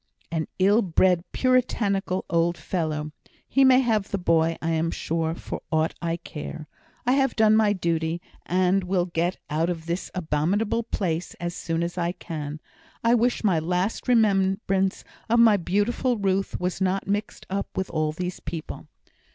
"An ill bred, puritanical old fellow! He may have the boy, I am sure, for aught I care. I have done my duty, and will get out of this abominable place as soon as I can. I wish my last remembrance of my beautiful Ruth was not mixed up with all these people."